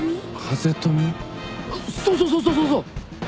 あっそうそうそうそうそうそう！